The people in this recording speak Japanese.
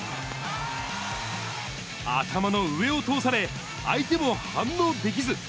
頭の上を通され、相手も反応できず。